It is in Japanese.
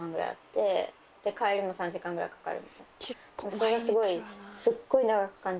それがすごい。